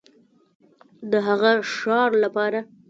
د هغه ښار لپاره